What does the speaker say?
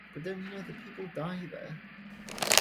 But don't you know that people die there?